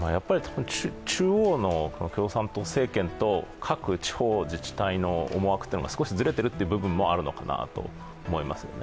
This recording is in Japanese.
中央の共産党政権と各地方自治体の思惑が少しずれている部分があるのかなと思いますよね。